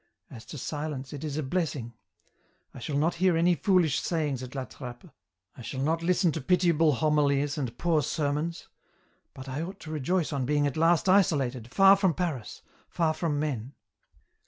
As to silence, it is a blessing. I shall not hear any foolish sayings at La Trappe ; I shall not listen to pitiable homilies and poor sermons ; but I ought to rejoice on being at last isolated, far from Paris, far from men."